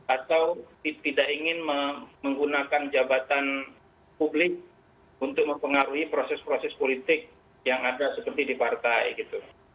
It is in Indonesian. atau tidak ingin menggunakan jabatan publik untuk mempengaruhi proses proses politik yang ada seperti di partai gitu